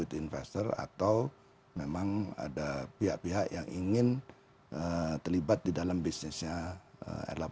dari equity investor atau memang ada pihak pihak yang ingin terlibat di dalam bisnisnya r delapan